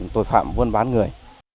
tội phạm buôn bán người